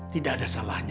tidak ada salahnya